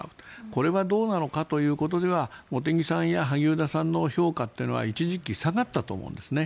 これはどうなのかということで茂木さんや萩生田さんの評価というのは一時期下がったと思うんですね。